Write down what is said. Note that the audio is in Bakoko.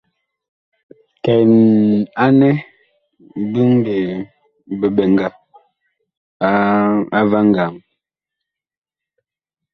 Kɛn anɛ biŋ biɓɛŋga a vaŋgaa.